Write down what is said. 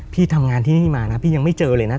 พี่ทำงานที่นี่มานะพี่ยังไม่เจอเลยนะ